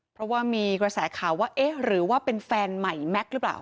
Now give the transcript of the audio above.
เพราะว่ามีกระแสข่าวว่าเอ๊ะหรือว่าเป็นแฟนใหม่แม็กซ์หรือเปล่า